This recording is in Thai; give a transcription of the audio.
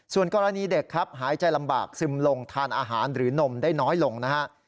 ส่วนกรณีเด็กครับหายใจลำบากซึมลงทานอาหารหรือนมได้น้อยลงนะฮะ